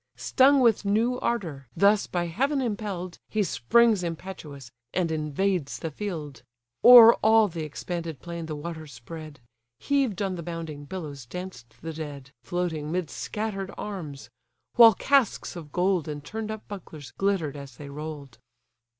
Stung with new ardour, thus by heaven impell'd, He springs impetuous, and invades the field: O'er all the expanded plain the waters spread; Heaved on the bounding billows danced the dead, Floating 'midst scatter'd arms; while casques of gold And turn'd up bucklers glitter'd as they roll'd.